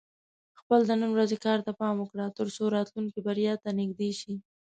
خپل د نن ورځې کار ته پام وکړه، ترڅو راتلونکې بریا ته نږدې شې.